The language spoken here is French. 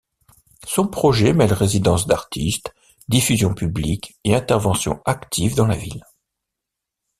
Son projet mêle résidences d’artistes, diffusion publique et intervention active dans la ville.